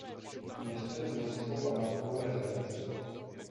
Město je městskou památkovou rezervací.